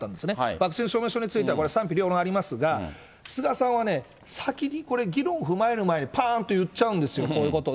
ワクチン証明書についてはこれ、賛否両論ありますが、菅さんはね、先にこれ、議論を踏まえる前にぱーんと言っちゃうんですよ、こういうことを。